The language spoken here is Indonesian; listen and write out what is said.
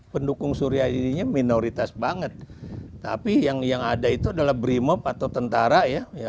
pendukung surya ini minoritas banget tapi yang ada itu adalah brimob atau tentara ya